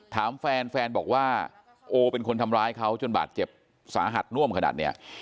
ถามแฟนแฟนบอกว่าโอเป็นคนทำร้ายเขาจนบาดเจ็บสาหัสน่วมขนาดนี้